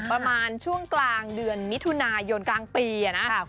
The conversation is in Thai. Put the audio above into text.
ประมาณช่วงกลางเดือนมิถุนายนกลางปีนะ